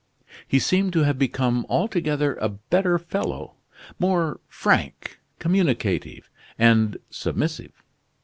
He seemed to have become altogether a better fellow; more frank, communicative, and submissive.